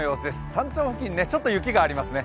山頂付近、ちょっと雪がありますね。